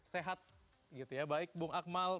sehat baik bung akmal